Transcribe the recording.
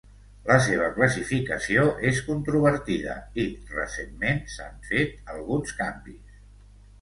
La seva classificació és controvertida i, recentment, s'han fet alguns canvis.